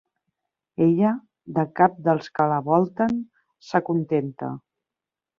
Ella, de cap dels que la volten s'acontenta.